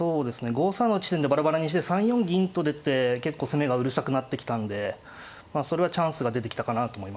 ５三の地点でバラバラにして３四銀と出て結構攻めがうるさくなってきたんでまあそれはチャンスが出てきたかなと思いました。